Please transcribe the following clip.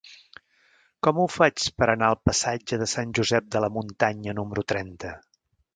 Com ho faig per anar al passatge de Sant Josep de la Muntanya número trenta?